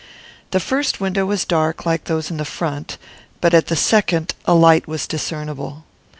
The first window was dark like those in front; but at the second a light was discernible.